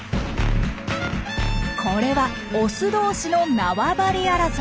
これはオス同士の縄張り争い。